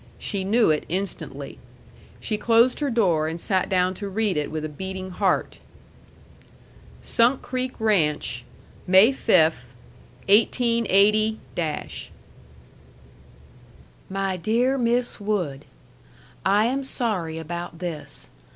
She knew it instantly. She closed her door and sat down to read it with a beating heart. SUNK CREEK RANCH, May 5, 188 My Dear Miss Wood: I am sorry about this.